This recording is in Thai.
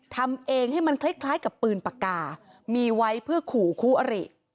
ทำเองให้มันคล้ายกับปืนปากกามีไว้เพื่อขู่คู่อริ